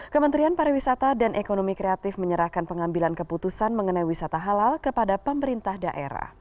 kementerian pariwisata dan ekonomi kreatif menyerahkan pengambilan keputusan mengenai wisata halal kepada pemerintah daerah